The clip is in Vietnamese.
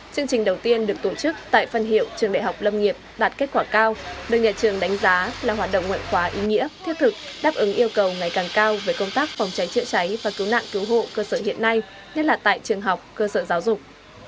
chương trình đầu tiên được tổ chức tại phân hiệu trường đại học lâm nghiệp đạt kết quả cao được nhà trường đánh giá là hoạt động ngoại khóa ý nghĩa thiết thực đáp ứng yêu cầu ngày càng cao về công tác phòng cháy chữa cháy và cứu nạn cứu hộ cơ sở hiện nay nhất là tại trường học cơ sở giáo dục